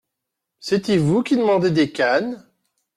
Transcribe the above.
C’est-y vous qui demandez des canes ?